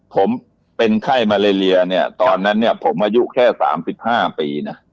ผมเป็นไข้มาเลเลียเนี่ยตอนนั้นเนี่ยผมอายุแค่๓๕ปีนะ